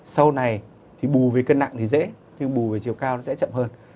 sau này thì bù về cân nặng thì dễ nhưng bù về chiều cao nó sẽ chậm hơn